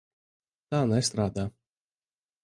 Tā nestrādā.